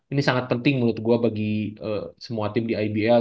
ini sangat penting menurut gue bagi semua tim di ibl